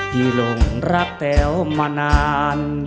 ที่หลงรักแต๋วมานาน